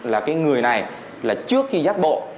là cái người này là trước khi giác bộ